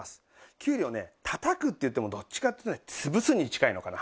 きゅうりをね叩くっていってもどっちかというとねつぶすに近いのかな？